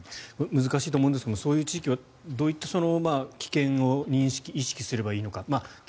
難しいと思うんですがそういう地域はどういった危険を認識、意識すればいいのか。